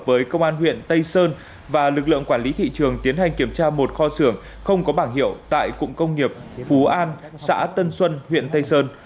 với công an huyện tây sơn và lực lượng quản lý thị trường tiến hành kiểm tra một kho xưởng không có bảng hiệu tại cụng công nghiệp phú an xã tân xuân huyện tây sơn